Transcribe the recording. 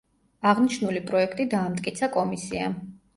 აღნიშნული პროექტი დაამტკიცა კომისიამ.